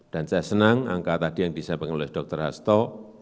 dan saya senang angka tadi yang disampaikan oleh dr hasto